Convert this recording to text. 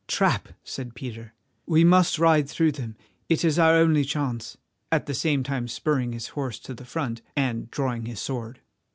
"Trap!" said Peter. "We must ride through them—it is our only chance," at the same time spurring his horse to the front and drawing his sword.